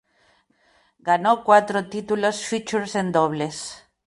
Ganó cuatro títulos Futures en dobles.